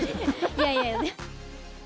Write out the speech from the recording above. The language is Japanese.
いやいや。